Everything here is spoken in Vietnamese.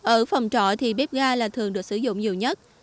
ở phòng trọ thì bếp ga là thường được sử dụng nhiều nhất